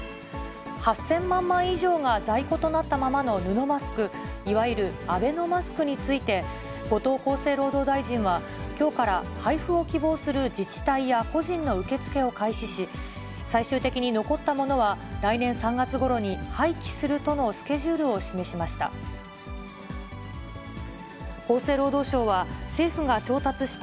８０００万枚以上が在庫となったままの布マスク、いわゆるアベノマスクについて、後藤厚生労働大臣は、きょうから配布を希望する自治体や個人の受け付けを開始し、最終的に残ったものは、来年３月ごろに廃棄するとのスケジュールを示しました。